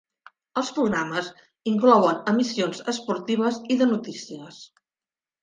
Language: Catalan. Els programes inclouen emissions esportives i de notícies.